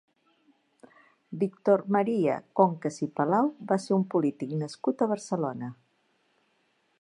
Víctor Maria Concas i Palau va ser un polític nascut a Barcelona.